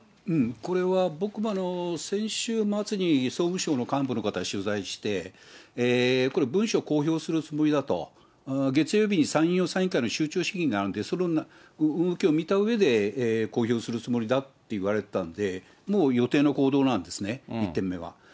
これは、僕も先週末に総務省の幹部の方、取材して、これ、文書公表するつもりだと、月曜日に参院予算委員会の集中審議があるんで、その動きを見たうえで公表するつもりだと言われたので、もう予定の行動なんですね、１点目は。